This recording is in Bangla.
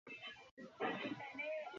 আপনি এখন আসতে পারেন।